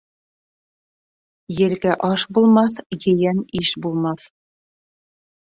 Елкә аш булмаҫ, ейән иш булмаҫ.